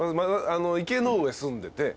池ノ上住んでて。